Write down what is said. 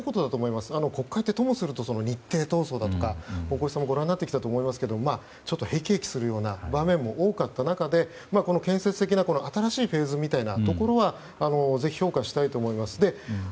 国会って、ともすると日程闘争だとか大越さんもご覧になってきたと思いますけれどもちょっと辟易するような場面も多かった中で建設的な新しいフェーズというところはぜひ評価したいと思います。